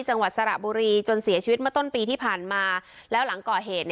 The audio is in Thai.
จังหวัดสระบุรีจนเสียชีวิตเมื่อต้นปีที่ผ่านมาแล้วหลังก่อเหตุ